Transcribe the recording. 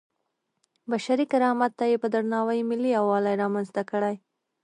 بشري کرامت ته یې په درناوي ملي یووالی رامنځته کړی.